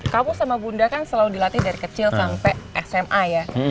kamu sama bunda kan selalu dilatih dari kecil sampai sma ya